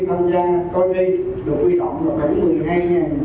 tầm hành phục tại các điểm thi